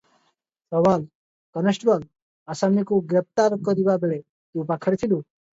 ସୱାଲ - constable ଆସାମୀକୁ ଗ୍ରେପ୍ତାର କରିବା ବେଳେ ତୁ ପାଖରେ ଥିଲୁ?